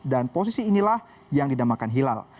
posisi inilah yang dinamakan hilal